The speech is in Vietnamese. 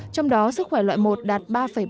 trong đó sức khỏe loại một đạt ba ba mươi bảy